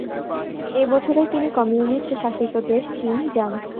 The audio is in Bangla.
এই বছরেই তিনি কমিউনিস্ট শাসিত দেশ, চীন যান।